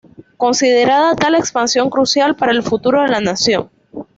Consideraba tal expansión crucial para el futuro de la nación.